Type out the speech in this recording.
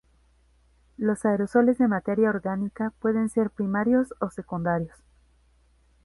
Los aerosoles de materia orgánica pueden ser primarios o secundarios.